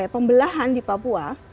pembelahan di papua